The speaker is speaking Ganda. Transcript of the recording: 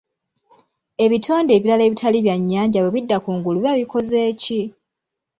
Ebitonde ebirala ebitali byannyanja bwe bidda kungulu biba bikoze ki?